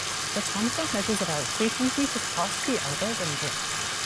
The tonfa measures about three centimeters past the elbow when gripped.